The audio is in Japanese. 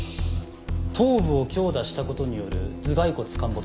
頭部を強打したことによる頭蓋骨陥没です